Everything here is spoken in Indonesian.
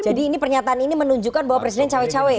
jadi ini pernyataan ini menunjukkan bahwa presiden cawek cawek